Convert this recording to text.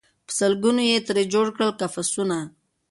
په سل ګونو یې ترې جوړ کړل قفسونه